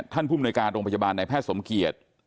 ท่านผู้มนตรการโรงพยาบาลในแพทย์สมเกียจ